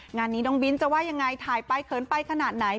งานนี้น้องบิ้นจะว่ายังไงถ่ายไปเขินไปขนาดไหน